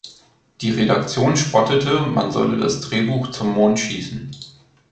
Die Redaktion spottete, man solle das Drehbuch zum Mond schießen.